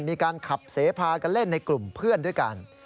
มีการขับเสพากันเล่นในกลุ่มเพื่อนด้วยกัน